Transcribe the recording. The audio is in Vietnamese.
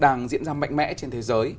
đang diễn ra mạnh mẽ trên thế giới